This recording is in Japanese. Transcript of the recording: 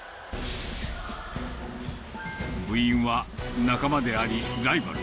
部員は仲間であり、ライバル。